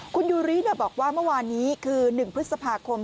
คุณยูริบอกว่าเมื่อวานนี้คือ๑พฤษภาคม